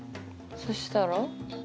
そしたら？